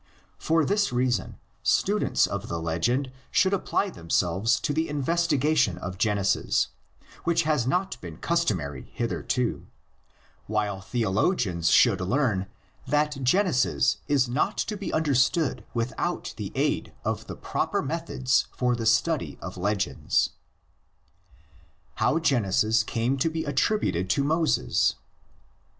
For this reason students of the legend should apply themselves to the inves tigation of Genesis, which has not been customary hitherto; while theologians should learn that Genesis is not to be understood without the aid of the proper methods for the study of legends. HOW GENESIS CAME TO BE ATTRIBUTED TO MOSES.